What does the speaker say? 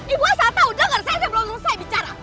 ibu asal tahu dengar saya sebelum selesai bicara